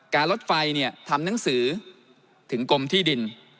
รถไฟทำหนังสือถึงกรมที่ดิน